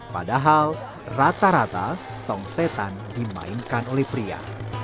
padahal rata rata tong setan dimainkan oleh pria